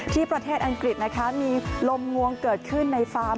ที่ประเทศอังกฤษมีลมงวงเกิดขึ้นในฟ้า